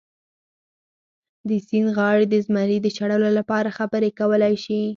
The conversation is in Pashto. د سیند غاړې د زمري د شړلو لپاره خبرې کولی شي.